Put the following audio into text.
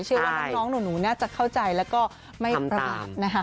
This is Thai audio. เชื่อว่าน้องหนูน่าจะเข้าใจแล้วก็ไม่ประมาทนะคะ